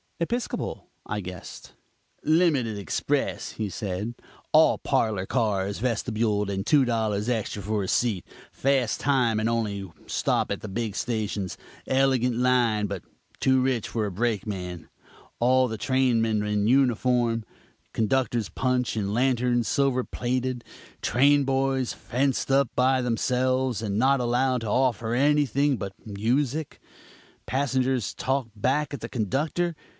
"Episcopal?" I guessed. "Limited express!" he said, "all parlor cars, vestibuled, and two dollars extra for a seat; fast time, and only stop at the big stations. Elegant line, but too rich for a brakeman. All the trainmen in uniform; conductor's punch and lanterns silver plated; train boys fenced up by themselves and not allowed to offer anything but music. Passengers talk back at the conductor.